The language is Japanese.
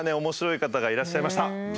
面白い方がいらっしゃいました。